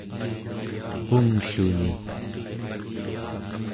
qunglluni